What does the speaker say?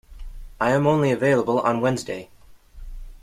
I am only available on Wednesday.